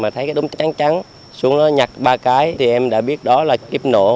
thì em đã biết đó là kiếp nổ